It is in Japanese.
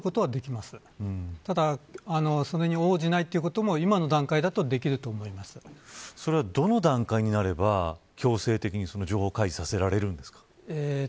ただ、それに応じないこともそれは、どの段階になれば強制的に情報を開示させられるんですか。